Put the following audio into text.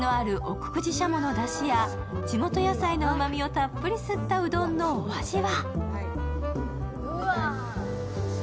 久慈しゃものだしや地元野菜のうまみをたっぷり吸ったうどんのお味は？